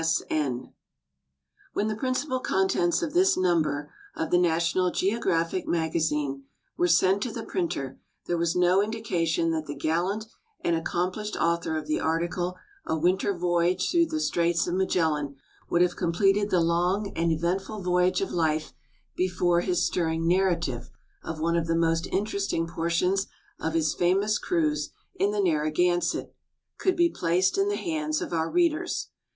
S. N. When the principal contents of this number of The National Geographic Magazine were sent to the printer there was no in dication that the gallant and accomplished author of the article "A Winter Voyage through the Straits of Magellan " would have completed the long and eventful vo_yage of life before his stirring narrative of one of the most interesting jDortions of his famous cruise in the Narragansett could be placed in the hands of our readers.